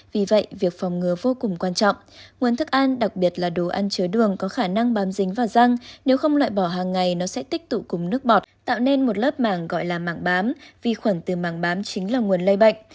vì vậy việc phòng ngừa vô cùng quan trọng nguồn thức ăn đặc biệt là đồ ăn chứa đường có khả năng bám dính vào răng nếu không loại bỏ hàng ngày nó sẽ tích tụ cùng nước bọt tạo nên một lớp màng gọi là mảng bám vi khuẩn từ mảng bám chính là nguồn lây bệnh